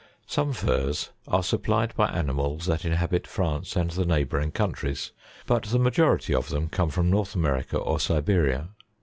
71. Some furs are supplied by animals that inhabit France and the neighbouring countries ; but the majority of them come from North America, or Siberia.